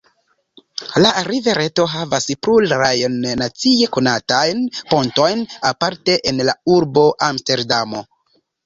La rivereto havas plurajn nacie konatajn pontojn, aparte en la urbo Amsterdamo.